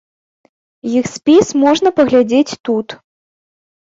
Іх спіс можна паглядзець тут.